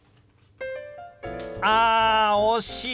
あ惜しい！